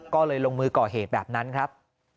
ก็เลยลงมือก่อเหตุแบบนั้นครับ